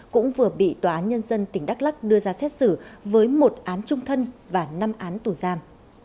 cũng vừa bị tòa án nhân dân tỉnh đắk lắc đưa ra xét xử với một án trung thân và năm án tù giam